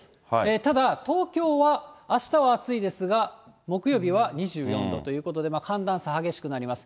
ただ東京はあしたは暑いですが、木曜日は２４度ということで、寒暖差激しくなります。